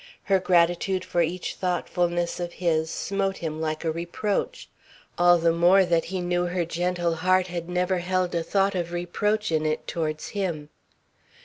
Her gratitude for each thoughtfulness of his smote him like a reproach; all the more that he knew her gentle heart had never held a thought of reproach in it towards him.